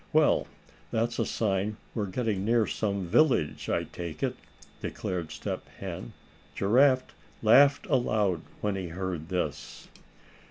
"Well, that's a sign we're getting near some village, I take it," declared Step Hen. Giraffe laughed aloud when he heard this.